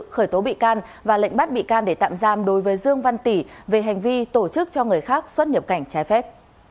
khởi tố bị can và lệnh bắt bị can để tạm giam đối với dương văn tỷ về hành vi tổ chức cho người khác xuất nhập cảnh trái phép